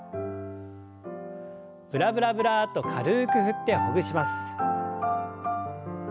ブラブラブラッと軽く振ってほぐします。